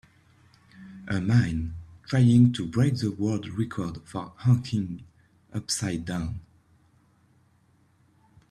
A man trying to break the world record for hanging upside down.